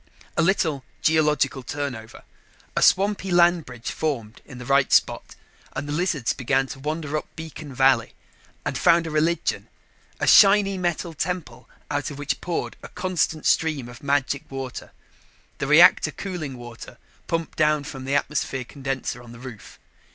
A little geological turnover, a swampy land bridge formed in the right spot, and the lizards began to wander up beacon valley. And found religion. A shiny metal temple out of which poured a constant stream of magic water the reactor cooling water pumped down from the atmosphere condenser on the roof.